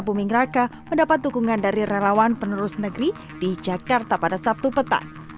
buming raka mendapat dukungan dari relawan penerus negeri di jakarta pada sabtu petang